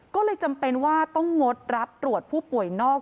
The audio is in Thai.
ก็เลยจำเป็นว่าต้องงดรับตรวจผู้ป่วยนอก